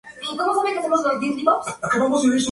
No se sabe cuál fue el final de Palomo.